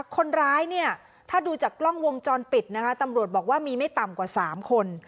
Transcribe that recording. คนร้ายเนี่ยถ้าดูจากกล้องวงจรปิดนะคะตำรวจบอกว่ามีไม่ต่ำกว่า๓คน